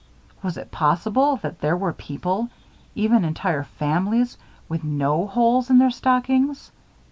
Was it possible that there were people even entire families with no holes in their stockings?